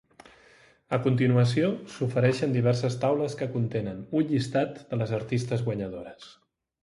A continuació s'ofereixen diverses taules que contenen un llistat de les artistes guanyadores.